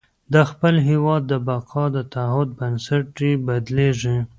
د خپل هېواد د بقا د تعهد بنسټ یې بدلېږي.